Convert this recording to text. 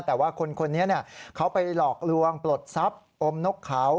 แต่ว่าคนนี้เขาไปหลอกลวงปลดทรัพย์อมนกเขา